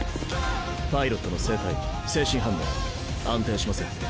パイロットの生体精神反応安定しません。